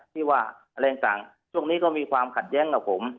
ที่ว่าอะไรต่างช่วงนี้ก็มีความขัดแย้งกับผม